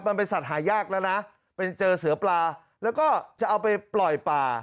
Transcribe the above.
มันเป็นสัตว์หายากแล้วนะไปเจอเสือปลาแล้วก็จะเอาไปปล่อยป่า